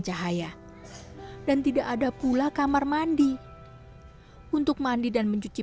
terlewat buat makan dua hari